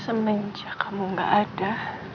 semenjak kamu gak ada